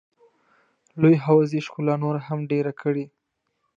لوی حوض یې ښکلا نوره هم ډېره کړې.